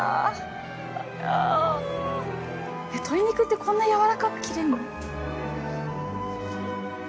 鶏肉ってこんな軟らかく切れるの？